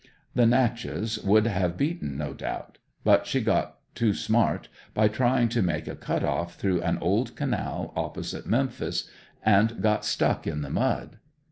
The "Natchez" would have beaten, no doubt, but she got too smart by trying to make a cut off through an old canal opposite Memphis and got stuck in the mud.